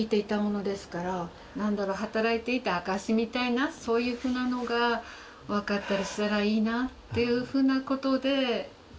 働いていた証しみたいなそういうふうなのが分かったりしたらいいなというふうなことで。